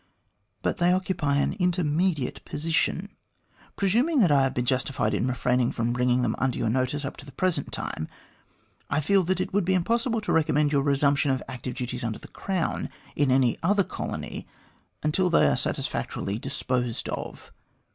But they occupy an intermediate position. Presuming that I have been justified in refraining from bringing them under your notice up to the present time, I feel that it would be impossible to recommend your resumption of active duties under the Crown in any other colony until they are satisfactorily disposed of.